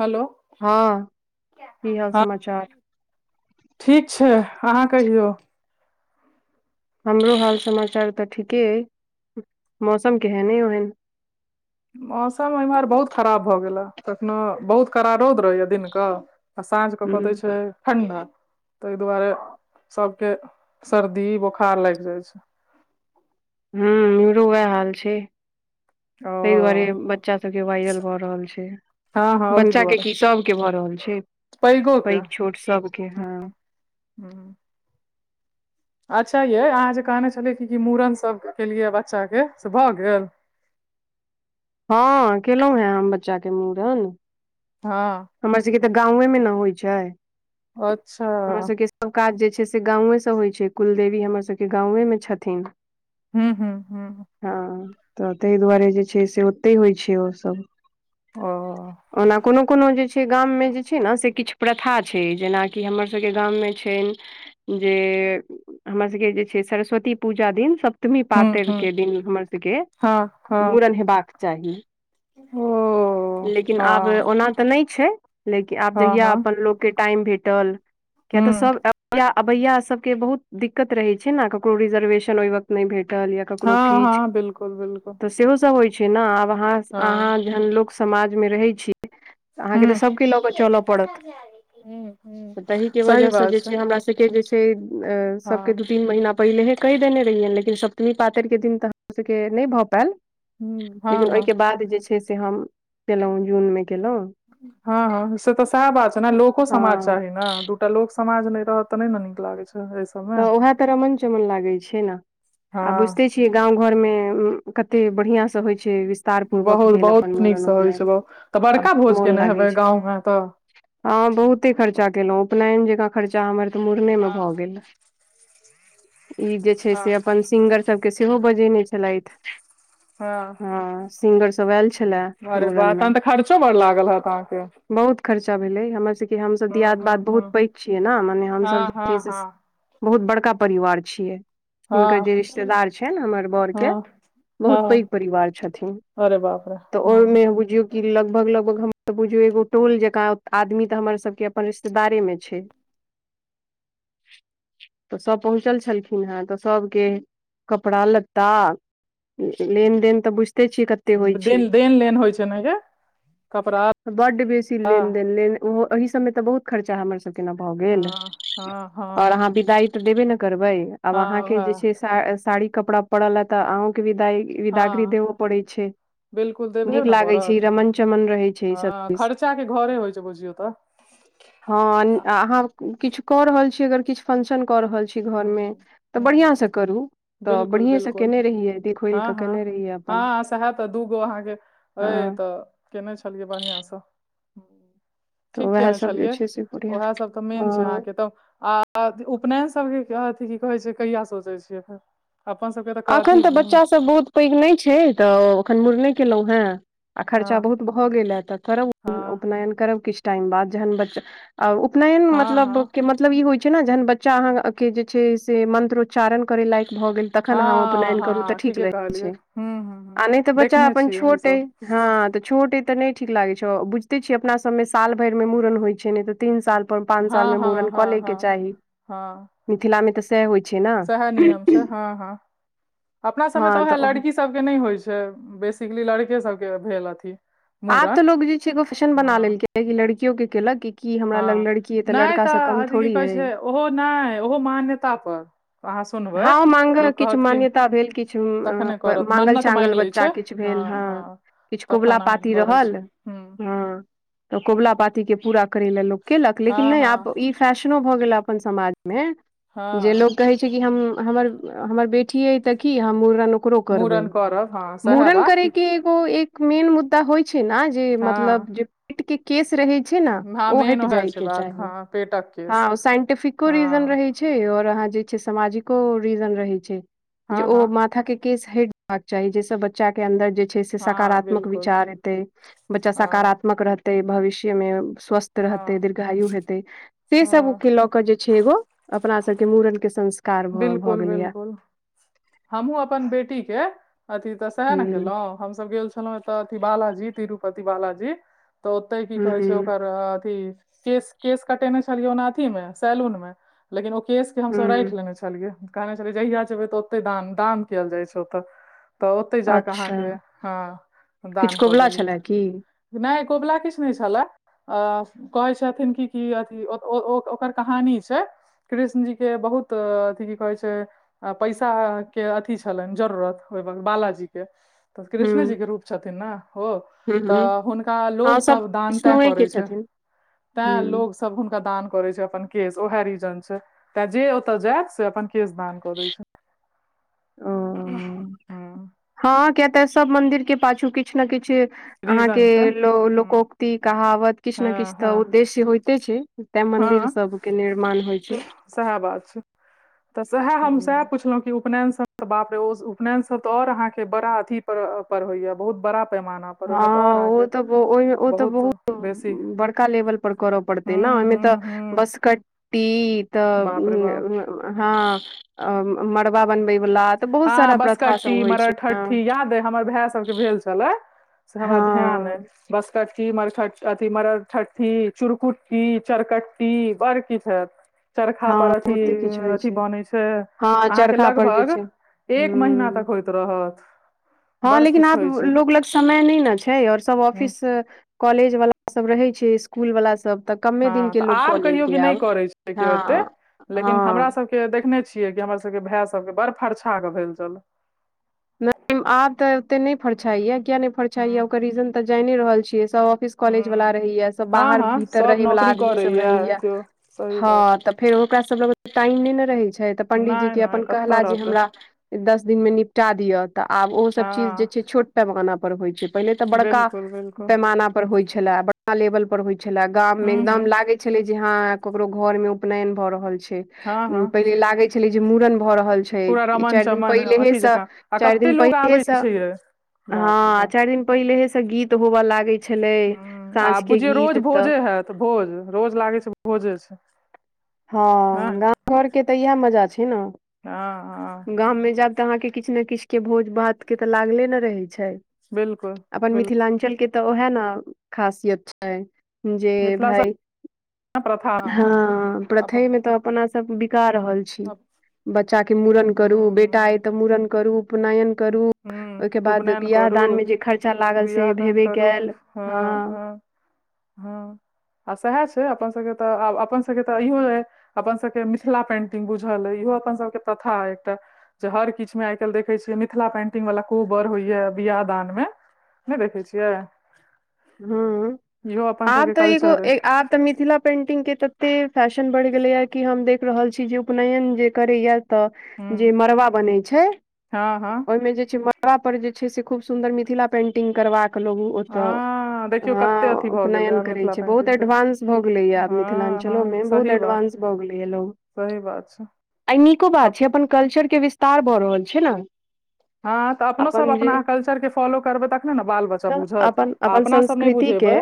Hello हँ की हाल हँ समाचार ठीक छै अहाँ कहियौ हमरो हाल समाचार तऽ ठीके अइ मौसम केहने ओहन मौसम एम्हर बहुत खराब भऽ गेल या कखनो बहुत करार रौद रहैया दिनक क आ साँझ के कऽ हुँ दै छै ठण्डा ताहि दुआरे सभ के सर्दी बोखार लागि जाइ छै हुँ इमरो वएह हाल छै ताहि दुआरे ओ बच्चा सबके वायरल भऽ रहल छै हँ हँ ओहि बच्चा के दुआरे की सबके भऽ रहल छै पैघो पैघ छोट सबके हँ हँ अच्छा ये अहाँ जे कहने छलियै कि कि मूड़न सब केलियै बच्चा के से भऽ गेल हँ केलहुॅं हें हम बच्चा के मूड़न हँ हमर सबके तऽ गावे मे ने होइ छै अच्छा सभ काज जे छै से गाँवेसँ होइ छै कुलदेवी हमर सभके गांवमे छथिन हुँ हुँ हुँ हँ तऽ ताहि दुआरे जे छै से ओतहि होइ छै ओसभ ओ ओना कोनो कोनो जे छै गाममे जे छै ने से किछु प्रथा छै जेनाकि हमरसभके गाममे छनि जे हमर सभके जे छै सरस्वती पूजा दिन सभ सत्मी हूँ पातरि हूँ के दिन हमर सबके हँ हँ मूड़न हेबाक चाही ओ लेकिन आब हँ ओना तऽ नहि छै। लेकिन आब हाँ जहिया हाँ अपन लोकके टाइम भेटल किया तऽ हुँ, सभ। आबैया सभके बहुत दिक्कत रहैत छै ने, ककरो रिजर्वेशन ओहि वक्त। नहि भेटल या ककरो हाँ, खींच हाँ, बिल्कुल, बिल्कुल, त। सेहो सभ होइ छै ने, आब अहाँ हाँ, अहाँ जहन लोक समाजमे रहै छी। अहाँके तऽ हुँ, सभके लऽ कऽ चलय पड़त हुँ, हुँ, तहिके सही वजह सँ बात जे छै हमरा सभके जे। [unintelligible] सभके हाँ, द तीन महीना पहिनेहि देने रहियै, मुदा सप्तमी पातरि के दिन तऽ हमरा सभके नहि भऽ पायल। हुँ, हाँ, लेकिन हाँ, ओहिके बाद जे छै, से हम केलहुँ, जूनमे गेलहुँ। हँ हँ, से तऽ सएह बात छै ने, लोक समाज हँ चाही ने दूटा लोक। समाज नहि रहत तऽ नहि ने नीक लागै छै। सबमे। तऽ उएह तऽ रमण-चमन लागैत छै ने, आ हाँ, बुझिते छियै गाँव घरमे। कते बढ़िआँ सँ होइ छै, विस्तारपूर्वक बहुत भेल अपन बहुत मूड़न, नीकसँ होइ छै उपनयन आ मोन लागै छै। हँ तऽ हँ बहुते खर्चा केलहुँ, उपनयन जकाँ खर्चा हमर तऽ मुड़नेमे हाँ, भऽ गेल। ई जे छै, हाँ, से अपन सिंगर सभके सेहो बजेने छलथि। हाँ, हँ, सिंगर सभ आयल छलए अरे वाह मूड़नमे। तहन तऽ खर्चो बड़ लागल हेत अहाँके। बहुत खर्चा भेलै हमर सभके, हमसभ हुँ, दियात हुँ, बात बहुत पैक छियै ने, मने हमसभ जे छ से। ह बहुत बड़का परिवार छियै हिनकर, हाँ, जे रिश्तेदार छनि हमर बरके। हाँ, बहुत पैघ हाँ, परिवार छथिन अरे बाप रे! तऽ हुँ। ओहिमे बुझियौ कि लगभग लगभग हम। बुझू एगो टोल जकाँ आदमी तऽ हमर सभके अपन रिश्तेदारमे छै। [inaudible] तऽ सभ पहुँचल छलखिन हँ, तऽ सभके कपड़ा लत्ता। लेनदेन तऽ बुझिते छियै कते। होइ छै देन लेन होइ छै ने, के कपड़ा। बड़ बेसी लत्ता लेन देन, ओहि सभमे तऽ बहुत खर्चा हमर सभ। अहाँ सभके न भऽ गेल, हँ हँ हँ आ अहाँ विदाइ देबो नहि करबै आब हँ अहाँके जे उएह से। साड़ी कपड़ा पड़ल छै ते अहूँके विदाई। विदागरी हँ देबो पड़ै छै, बिलकुल देबहे नीक ने लागै छै। ई पड़त रमण चमन रहै छै, ई सभ। हँ खर्चा के घरे होइ छै, बुझियौ तऽ। हँ अहाँ किछु कऽ रहल छी, अगर किछु फंक्शन कऽ रहल छी घरमे हूँ तऽ बढ़िआँ हूँ सँ करू। तऽ बिलकुल बढ़िएँ सँ बिलकुल केने रहियै देख खोलि हँ कऽ हँ केने रहियै अपन हँ सहए तऽ दूगो अहाँके। अ हँ तऽ केने छलियै बढ़िआँ सँ ह। तऽ ठीक उएह केने सब जे छलियै, छै से बढ़िआँ उएह सभ तऽ मेन छै हँ अहाँके तऽ। उपनयन सभकेँ अथि की कहैत छै, कहिया सोचैत छियै? अपना सभके तऽ अखन कथी बच्चा सब बहुत पैघ नहि छै तऽ ओखन मुड़न केलहुँ हे आ खर्चा हँ बहुत भऽ गेल ह तऽ कर। हँ उपनयन करब किछु टाइम बाद, जहन बच्चा उपनयन हँ मतलब। हँ मतलब इहो छै ने, अहाँके जे से मन्त्र उच्चारण जकाँ लायक भऽ गेल। तखन हम हँ उपनायन करू तऽ हँ ठीक ठीके रहैत कहलियै छै हूँ हूँ हूँ आ नहि तऽ बच्चा देखने अपन छियै छोट अ। ईसभ हँ तऽ छोट अ तऽ नहि ठीक लागैत छै, बुझिते छियै अपना सभमे साल भरिमे मूड़न होइत छै ने तऽ। तीन साल पर पाँच हँ सालमे मूड़न हँ कऽ हँ लऽ के हँ चाही। हँ मिथिलामे तऽ सएह होइ छै ने। सएह नियम छै हँ हँ अपना सभमे तऽ उएह लड़की सभके नहि होइत छै, बेसिकली लड़का सभके भेल अथी। आब तऽ मूड़न लोग जे छै, एगो फैशन बना हँ लेलकै, लड़कियो के केलक। की हमरा लग हँ लड़की अइ तऽ नहि लड़काँ कम अथी की थोड़ी कहै अइ। छै ओहो नहि ओहो मान्यता पर। अहाँ सुनबै, हँ माँग लोक किछु कहत कि मान्यता भेल किछु तखने करत, माँगल मन्नत चाँगल माँगि लैत बच्चा छै। किछु हँ भेल ह किछु कबुला पाती रहल हँ तऽ कबुला पातीके पूरा करै ल लोक केलक हँ लेकिन नहि हँ आब ई फैशनो भ गेल आय अपन समाज मे जें हँ लोक कहै छै हम हमर हमर बेटी अ तऽ की हम मुड़न ओकरो करबै मूड़न करब हँ सएह मूड़न बात की करैके ओ एक मेन मुद्दा होइ छै ने जे मतलब हँ जे पेट के केस रहे छै न हँ ओ मेन हटि ओएह छै जयबाक बात चाहि हँ पेटक केस हाँ साईन्सफिटीको रीजन हँ रहै छै आओर अहाँ जे छै से समाजिको रीजन रहै छै जे हँ ओ हँ माथा कें केस हेटबाक चाही जहिस बच्चा बच्चा के अन्दर जे छै से हँ सकारात्मक बिल्कुल विचार एते बच्चा हँ सकारात्मक रहत भविष्य मे स्वस्थ रहते हँ दीर्घायु हेतै से सब हँ के लऽ जे छै एगो अपना सबके मूड़न के संस्कार भऽ गेलैया हमहुँ अपन बेटी के अथी तऽ सएह ने हूँ केलहुँ हमसभ गेल छलहुँ अथी बालाजी तिरुपति बालाजी तऽ ओते की हूँ कहे छै ओकर अथी केश केश कटेने छलियै ओना अथी मे सैलून मे लेकिन ओ केश के हमस हूँ राखि लेने छलिए यै कहने छलियै जहिया जेबै तऽ ओते दान दान कयल जाइ छै ओतऽ तऽ ओते जा कऽ अच्छा अहाँके हँ किछु दान कऽ कबुला देलियै छलए की नहि कोबला किछ नहि छला अ कहै छथिन कि की अथिओ ओकर कहानी छै कृष्ण जी के बहुत- की कहै छै पैसा के अथी छलनि जरूरत ओहि बालाजी के तऽ हुँ कृष्ण जी के रूप छथिन ने ओ हुँ हुँ तऽ हुनका हँ सब लोगसभ दान तैं विष्णुए के करै छै छथिन तैं हुँ लोकोसभ सभ हुनका द करै छै अपन केश ओहा रीजन छै तां ओत जे जायसे अपन केश दान कऽ दै छै ओ हूँ हुँ हँ किया ते सब मंदिर के पाछू कि किछु ने किछु अहा के रीजन छै ह लोकोक्ति कहावत किछु ने हँ किछ तऽ हँ उद्देश्य होय छै तां मन्दिर हँ सबके निर्माण होइ छै सएह बात छै तऽ सएह हम सएह हुँ। पुछलहुँं उपनयन बाप रे उपयन सब त और अहाँ के बड़ा अथी पर होयया बहुत बड़ा पैमाना पर हँ ओहिमे तऽ आओर ओ अहाँके तऽ ओहिमे ओ तऽ बहुत बड़का लेवल पर करऽ पड़ते हूँ ने तऽ हूँ हूँ बसकटटी त बाप रे बाप हँ मड़बा बनबै वला तऽ बहुत हँ सारा प्रथा सब बसकट्टी होइ छै हँ। मरठहट्ठी याद हमर भाय सबके भेल छलय छलय से हमरा ध्यान अय हँ बसकट्टी मरक अथि मरठठी चुरकुट्टी चरकट्टी बड़ की किछ हायत चरखा पर हँ अथी बहुते किछु होइ अथी बनै छै हँ अहाँके चरखा पर जे लगभग छै एक महीना हूँ तक होयइत रहत हँ बड़ लेकिन किछु आब होइ लोग छै लग समय नहि ने छै और सब ऑफिस कॉलेज वा सब रहै छै इसकुल वाला सब त हँ तऽ आब कहियो क नहि करे छै केओ एते हँ लेकिन हमरा हँ सबके के देखने छियै कि हमर सब के भाय सब के बड़ फरछा के भेल छल नहि आब तऽ ओऊते नहि फरछाईया किया फरछाईया हूँ ओकर रीजन तऽ जानए रहल छियै सब ऑफिस कॉलेज वला हूँ रहैया सब हँ बाहर हँ भी इतर सब रहे वालला नौकरी आदमी सब करैया रहैया केओ सही बात हँ तऽ फेर ओकरा सब लग टाइम नहि ने रहे छै तऽ पंडीजी नहि के नहि अपन कतऽ कहला जे रहतै हमरा दस दिनमे निपटा दिअ तऽ आब ओहोसभ चीज जे हँ छै छोट पैमाना पर होइत छै पहिले तऽ बड़का बिल्कुल बिल्कुल पैमाना पर होइ छलाह बड़का लेवल पर होइ छले गाम मे हूँ एकदम हूँ लागे ह ककरो घर मे उपनयन भऽ रहल छै हँ हँ पहिल लाग छलै जे मूड़न भऽ रहल छै पूरा ई रमन चारि दिन चमन अथी पहिलेहेसँ जकाँ आ चार कते दिन लोग पहिले आबै से छै यै बाप रे हँ बाप चार दिन पहिलहे से गीत होबे लागे छै ह आ बुझियौ रोज तऽ भोजे हत भोज रोज लागै छै भोजे छै हँ नहि गाम घरके तऽ इएह मजा छै ने ह ह गाम मे जायब तऽ अहाँके किछु ने किछु के भोज भात के तऽ लागले ने रहै छै बिलकुल अपन मिथिलाञ्चल के तऽ उएह ने खासियत छै जेे मिथिला सं भइ प्रथा हँ अप प्रथई में त अपना सब बिका रहल छै बच्चा के मूरण करू बेटा हूँ तऽ मूरण करू पुनयन करू ओहिके हूँ बाद उपनयन बिियाह करू दानमे जे खर्चा लागल से बियाह दान भेबे क करू हँ हँ आब सएह छै अपन सभके तऽ आब अपन सभके तऽ इहो य अपनसभके मिथिला पेन्टिंग बुझल अइ इहो अपनसभके प्रथा एकटा जे हर किछ मे आइ काल्हि देखै छियैित मिथिला पेंटिंग वालला कोबर होइया बियाह दान मे नहि देखे छियै ह इहो अपन आब सबके तऽ एगो कल्चर अइ आब तऽ मिथिला पेंटिंग के तते फैशन बढ़ गेले या कि हम देख रहल छी जे उपनयन जे करेया तऽ हूँ जे मड़बा बन छै हँ हँ ओहिमे जे छै ओकरापर जे छै से खूब सुन्दर मिथिला पेन्टिंग करबाक लोगू ओतय हँ देखियौ हँ कते अथी भऽ गेलै उपनयन आब करे मिथिला छै बहुत पेंटिंग के एडवानंस भऽ गेलैएा आब हँ मिथिलाञ्चलो हँ मे बहुत सही बात एडवानंस भोगलेलो सही बात छै आ ई नीको बात छै अपन कल्चर विस्तार भऽ रहल छै ने हँ तऽ अपनोसभ अपन जे अपनााँ कल्चरके फॉलो करबै तखने ने बाल बच्चा तऽ बुझत अपन आ अपन अपना सब नहि संस्कृति के बुझेबै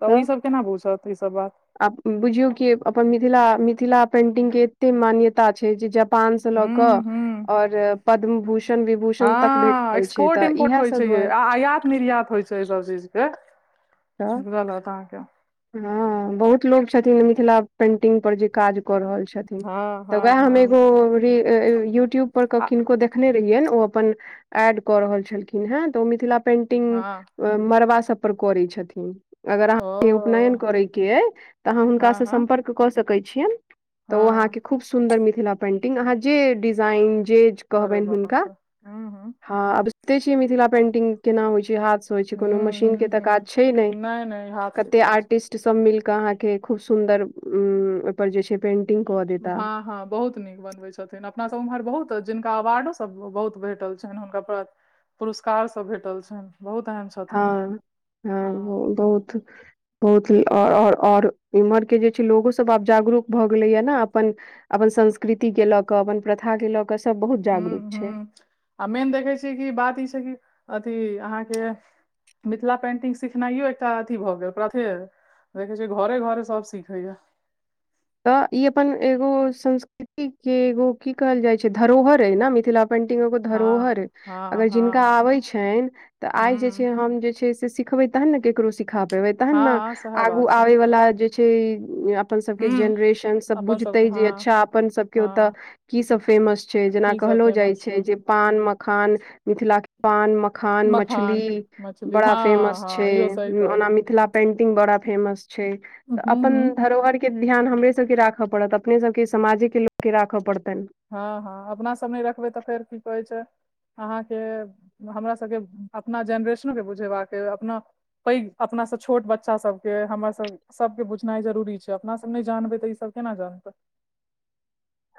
तऽ ई सब केना बुझत ई सब बात आ बुझियौ कि अपन मिथिला मिथिला पेन्टिंगके एतेक मान्यता छै जे जब पान से ल के हूं हूं और पद्म भूषण विभूषण तक भेटल छै तऽ एक्पोर्टम्पोर्ट इएह होई सब छै दुआरे आयात निर्यात होय छै से सब चीज के तऽ नलत अहाँके हँ बहुत लोकोग छथिन जे मिथिला पेंटिंग पर जे काज कऽ रहल छै हँ तऽ हँ वएह हँ एगो यूट्यूब पर आ किनको देख अपन एड कऽ रहल छलखिन ह तऽ मिथिला पेन्टिंग हँ मरबा सब पर करै छथिन मगर ओ उपनयन करे के तऽ अहाँ हुनका हँ से हँ सम्पर्क कऽ सकैत छियै त ओ हँ अहाँके खूब सुन्दर मीथीला पेनटिंग अरे बाप रे हूं हूं [unintelligible] हँ आब जनिते छी मिथिला पेंटिंग केना होइ छै हाथ हू ह ह नहि नहि हाथ सीखा छै अ खर पर जे छे पेटिंग को देी हँ हँ बहुत नीक बनबै छथिन अपना सब उम्हर बहुत जिनका अवार्डो सब बहुत भेटल छनि हुनका प पुरस्कार सब भेटल छनि बहुत एहन छ हँ हँ बहुत बहुतर आओर इम्हरके जे छै लोगोसभ आब जागरूक भऽ गेलैए ने अपन अपन संस्कृति के लऽ कऽ अपन प्रथा के लऽ क सब बहुत हू जागरूक हू छै आ मेन देखै छियै कि बात ई छै कि अथी अहाँके मिथिला पेन्टिंग सिखनाइयो एकटा अथी भऽ गेल प्रथे देखै छियै घरे घरे सभ सीखैया। तऽ ई अपन एगो संस्कृति के एगो की कहल जाय छै, धरोहर अ ने मिथिला। पेन्टिंगो को हँ धरोहर। हँ अगर हँ जिनका आबै छनि तऽ आइ जे छै, हूँ हम जे छै से सिखबैत। तऽ के सीखत ने, हँ सएह आगू बात छै आबै व। के हूँ जेनरेशन सभ अपन सबके बुझतै, हँ अच्छा अपन सभ ओता हँ की सभ फेमस। जेना की सब कहलो जाइ फेमस छै। जे पान मखान मिथिला। पान मखान मखान मछली। मछली बड़ा हँ फेमस छै। हँ इहो सही कहल ओना मिथिला पेंटिंग बड़ा फेमस छै। हूँ अपन हूँ धरोहर। के ध्यान हमरे सभके राखय पड़त, अपने सभके समाजे के लोक के राखऽ पड़तनि। हँ हँ, अपना सभ नहि रखबै तऽ फेर की कहै छै। अहाँके हमरा सभके अपना जेनरेशनो के बुझेबाक अपना। पैघ अपना सभ, छोट बच्चा सभके हमर सभ। सभके बुझनाइ जरूरी छै, अपना सभ नहि जानबै तऽ ई सभ केना जानतै।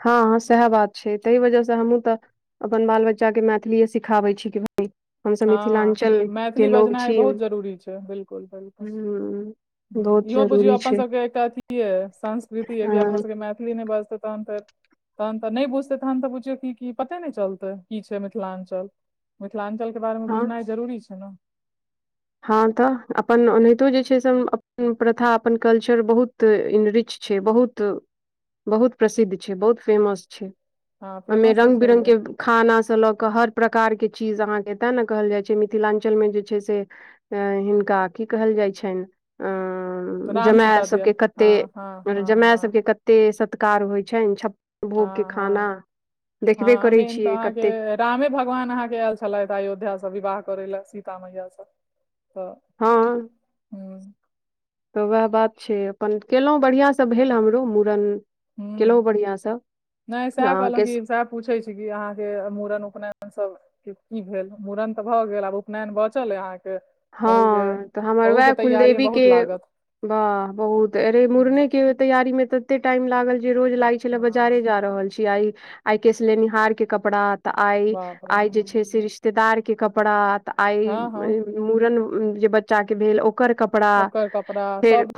हँ हँ, सएह बात छै, ताहि वजह सँ हमहूँ तऽ। अपन बाल बच्चा के मैथिलिए सिखबै छी कि भऽ? हँ मैथिली बजना छी बहुत हूँ जरूरी छै, बिलकुल बिलकुल। बहुत इहो बुझियौ, जरूरी छै अपनसभके एकटा अछि संस्कृति जे कि हँ अपनासभ मैथिली नहि बाजतै। तहन तऽ नहि बुझतै, तहन तऽ बुझियौ कि पते नहि चलतै की छै मिथिलांचल। मिथिलांचलके बारेमे हँ बुझनाइ जरूरी छै। ने हँ तऽ अपन ओनाहितो जे छै, से अपन प्रथा, अपन कल्चर बहुत। रिच छै, बहुत बहुत प्रसिद्ध छै, बहुत फेमस छै। हँ ओहिमे फेमस तऽ रंग बिरंग छैहे के। खाना सँ लऽ कऽ हर प्रकार के चीज अहाँकेँ तें ने कहल जाय छै, मिथिलांचल जे छै से। अ हिनका की कहल जाइ छनि अ राम जमाय सीता दिया सभके कते हँ हँ मत, हँ जमाय हँ सभके कत। कते सत्कार होइ छनि, छप्पन भोग के हँ खाना हँ देखबे हँ करै मेन तऽ छियै कते। अहाँके रामे भगवान अहाँ के आयल छलथि अयोध्यासँ विवाह करे लए सीता मैयासँ। हँ हूँ तऽ उएह बात छै, अपन केलहुँ बढ़िआँ सँ भेल हमरौ मूड़न। केलहुँ हूँ बढ़िआँ सभ नहि सएह कहलहुँ अहाँके। कि सएह पूछै छी कि अहाँके मूड़न, उपनयन सभ। की भेल, मूड़न तऽ भऽ गेल, आब उपनयन बचल अहाँके। अहू के हँ तऽ हमर अहू के वएह तैयारी मे कुलदेवी बहुत के। लागत वाह बहुत, अरे मूड़न के तैयारीमे तऽ। एते टाइम लागल जे रोज लागै छल हँ बजार जा रहल छी, आइ आइ केस लेनिहार के कपड़ा। तऽ आइ बाप रे आइ जे छै, से रिश्तेदार के कपड़ा तऽ आइ। हँ हँ मूड़न जे बच्चा के भेल, ओकर कपड़ा ओकर कपड़ा सब फेर।